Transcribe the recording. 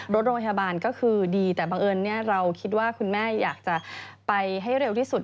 รถโรงพยาบาลก็คือดีแต่บังเอิญเราคิดว่าคุณแม่อยากจะไปให้เร็วที่สุด